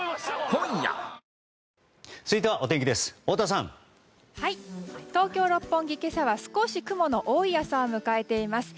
今朝は少し雲の多い朝を迎えています。